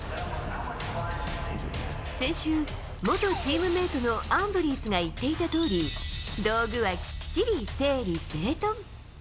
先週、元チームメートのアンドリースが言っていたとおり、道具はきっちり整理整頓。